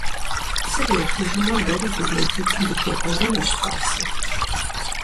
Псыр ехыжмэ, дэри дуней хуитым дытехьэжынущ, тӀасэ!